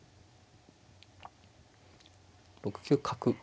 ６九角打。